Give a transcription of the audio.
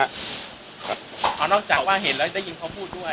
เอานอกจากว่าเห็นแล้วได้ยินเขาพูดด้วย